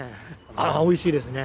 ああ、おいしいですね。